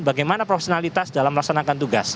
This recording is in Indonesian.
bagaimana profesionalitas dalam melaksanakan tugas